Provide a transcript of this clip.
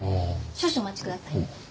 少々お待ちください。